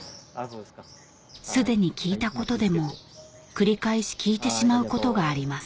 すでに聞いたことでも繰り返し聞いてしまうことがあります